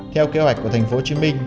theo kế hoạch của tp hcm